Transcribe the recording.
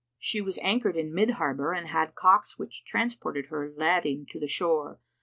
She was anchored in mid harbour and had cocks which transported her lading to the shore.